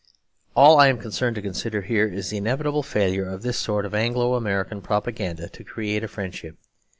All I am concerned to consider here is the inevitable failure of this sort of Anglo American propaganda to create a friendship.